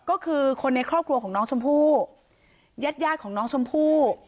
ก็คือคนในครอบครัวของน้องชมพู่ญาติญาติของน้องชมพู่